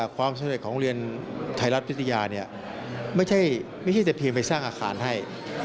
ความสำเร็จของเรียนไทยรัฐวิทยาไม่ใช่จะเพียงไปสร้างอาคารให้